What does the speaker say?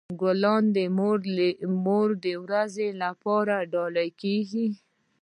ګلان د مور ورځ لپاره ډالۍ کیږي.